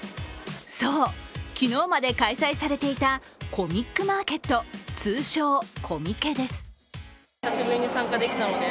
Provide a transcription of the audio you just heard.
そう、昨日まで開催されていたコミックマーケット、通称・コミケです。